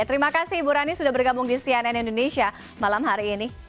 terima kasih ibu rani sudah bergabung di cnn indonesia malam hari ini